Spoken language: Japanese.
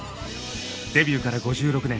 デビューから５６年